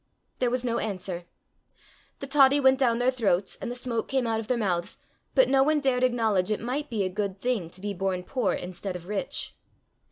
There was no answer. The toddy went down their throats and the smoke came out of their mouths, but no one dared acknowledge it might be a good thing to be born poor instead of rich.